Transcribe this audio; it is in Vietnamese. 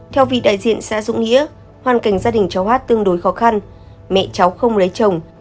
theo vị đại diện xã dũng nghĩa hoàn cảnh gia đình cháu hát tương đối khó khăn mẹ cháu không lấy chồng